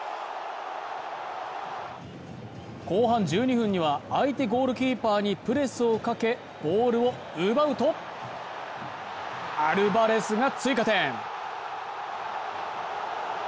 後半１２分には相手ゴールキーパーにプレスをかけボールを奪うと、アルバレスが追加点。